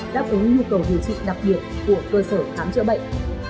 đáp ứng nhu cầu điều trị đặc biệt của cơ sở khám chữa bệnh